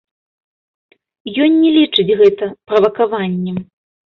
Ён не лічыць гэта правакаваннем.